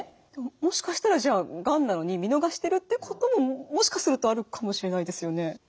もしかしたらじゃあがんなのに見逃してるってことももしかするとあるかもしれないですよね。